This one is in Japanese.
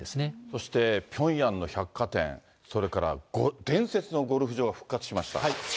そしてピョンヤンの百貨店、それから伝説のゴルフ場が復活しました。